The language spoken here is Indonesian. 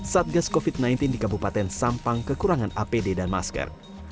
satgas covid sembilan belas di kabupaten sampang kekurangan apd dan masker